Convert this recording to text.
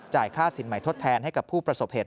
ค่าสินใหม่ทดแทนให้กับผู้ประสบเหตุ